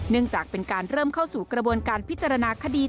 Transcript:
จากเป็นการเริ่มเข้าสู่กระบวนการพิจารณาคดี